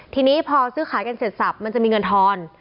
ทีนี้พอซื้อขายกันเสร็จสับมันจะมีเงินทอน